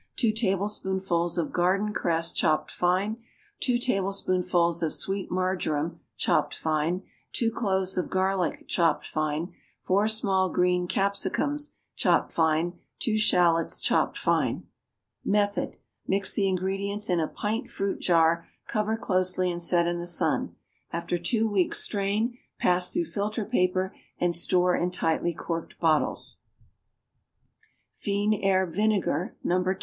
2 tablespoonfuls of garden cress, chopped fine. 2 tablespoonfuls of sweet marjoram, chopped fine. 2 cloves of garlic, chopped fine. 4 small green capsicums, chopped fine. 2 shallots, chopped fine. Method. Mix the ingredients in a pint fruit jar, cover closely, and set in the sun; after two weeks strain, pass through filter paper and store in tightly corked bottles. =Fines Herbes Vinegar, No. 2.